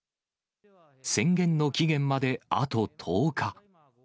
宣言の期限まであと１０日。